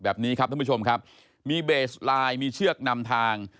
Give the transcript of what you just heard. แบบนี้ครับท่านผู้ชมครับมีเบสไลน์มีเชือกนำทาง